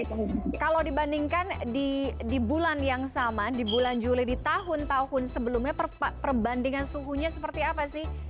kalau dibandingkan di bulan yang sama di bulan juli di tahun tahun sebelumnya perbandingan suhunya seperti apa sih